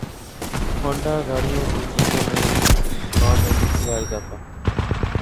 Honda گاڑیوں کی قیمتوں میں ماہ میں تیسری بار اضافہ